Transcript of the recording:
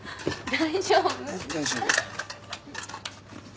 大丈夫。